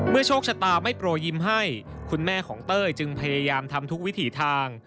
โชคชะตาไม่โปรยิ้มให้คุณแม่ของเต้ยจึงพยายามทำทุกวิถีทาง